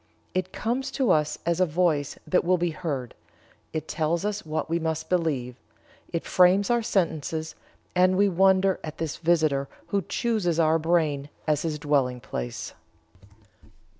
It comes to us as a voice that will be heard; it tells us what we must believe; it frames our sentences and we wonder at this visitor who chooses our brain as his dwelling place."